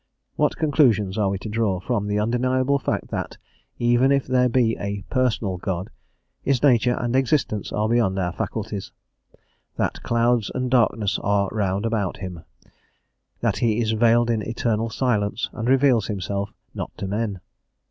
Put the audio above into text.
What conclusions are we to draw from the undeniable fact that, even if there be a "personal God," his nature and existence are beyond our faculties, that "clouds and darkness are round about him," that he is veiled in eternal silence and reveals himself not to men?